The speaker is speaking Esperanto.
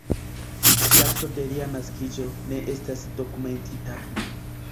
Dato de lia naskiĝo ne estas dokumentita.